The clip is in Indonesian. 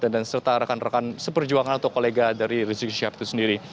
dan serta rekan rekan seperjuangan atau kolega dari rizik syihab itu sendiri